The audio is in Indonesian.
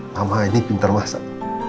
mama ini pintar masak